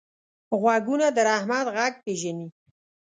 غوږونه د رحمت غږ پېژني